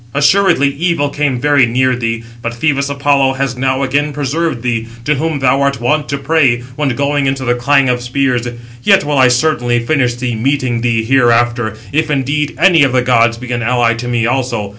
Assuredly evil came very near thee, but Phœbus Apollo has now again preserved thee, to whom thou art wont to pray, when going into the clang of spears. Yet will I certainly finish thee, meeting thee hereafter, if indeed any of the gods be an ally to me also.